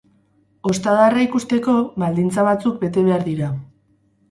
Ostadarra ikusteko, baldintza batzuk bete behar dira.